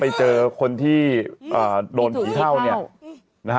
ไปเจอคนที่โดนผีเข้า